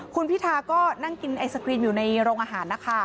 คุณพิธาก็นั่งกินไอศกรีมอยู่ในโรงอาหารนะคะ